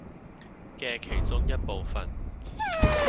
嘅其中一部分